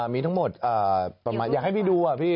มีทั้งหมดประมาณอยากให้พี่ดูอะพี่